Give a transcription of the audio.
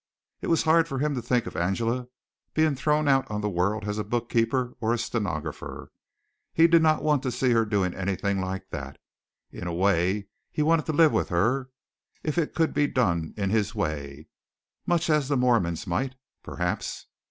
It was hard for him to think of Angela being thrown out on the world as a book keeper or a stenographer. He did not want to see her doing anything like that. In a way, he wanted to live with her, if it could be done in his way much as the Mormons might, perhaps.